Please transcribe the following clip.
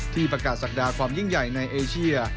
ประกาศศักดาความยิ่งใหญ่ในเอเชีย